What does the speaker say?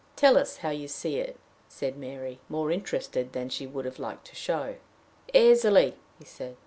"Tell us how you see it," said Mary, more interested than she would have liked to show. "Easily," he answered.